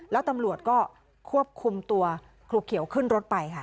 แล้วตำรวจก็ควบคุมตัวครูเขียวขึ้นรถไปค่ะ